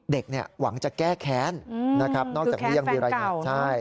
เด็กหวังจะแก้แค้นนอกจากเลี้ยงมีรายงาน